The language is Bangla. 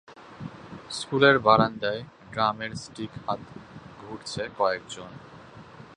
স্কুলের বারান্দায় ড্রামের স্টিক হাতে ঘুরছে কয়েকজন।